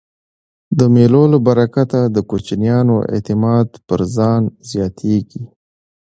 د مېلو له برکته د کوچنیانو اعتماد پر ځان زیاتېږي.